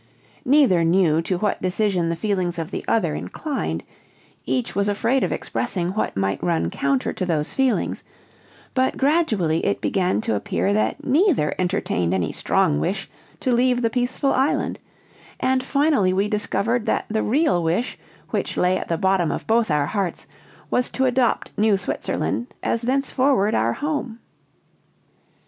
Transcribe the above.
Neither knew to what decision the feelings of the other inclined; each was afraid of expressing what might run counter to those feelings; but gradually it began to appear that neither entertained any strong wish to leave the peaceful island; and finally we discovered that the real wish which lay at the bottom of both our hearts was to adopt New Switzerland as thenceforward our home.